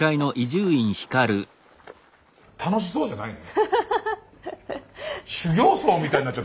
楽しそうじゃないね。